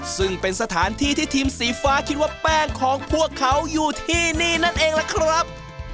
ซึ่งเป็นสถานที่ที่ทีมสีฟ้าคิดว่าแป้งของพวกเขาอยู่ที่นี่นั่นเองล่ะครับ